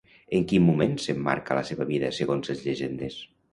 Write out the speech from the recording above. En quin moment s'emmarca la seva vida segons les llegendes?